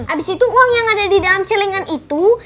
abis itu uang yang ada di dalam celengan itu